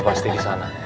pasti di sana